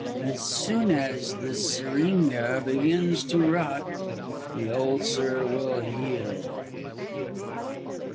As soon as the seringa begins to rot, the ulcer will heal.